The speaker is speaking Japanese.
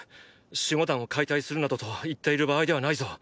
守護団を解体するなどと言っている場合ではないぞ。